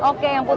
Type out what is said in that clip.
oke yang putih